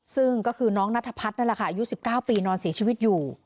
ซึ่งก็คือน้องนัทพัฒน์นั่นแหละค่ะอายุ๑๙ปีนอนเสียชีวิตอยู่